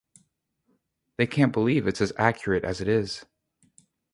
They can't believe it's as accurate as it is.